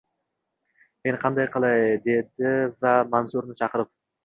Men qanday qilay! – dedi va Mansurni chaqirdi.